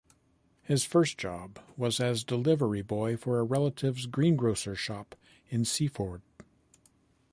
His first job was as delivery boy for a relative's greengrocer's shop in Seaford.